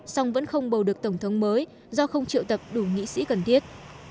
song vẫn không bầu được tổng thống mới do không triệu tập đủ nghị sĩ cần thiết